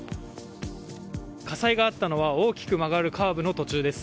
火災があったのは大きく曲がるカーブの途中です。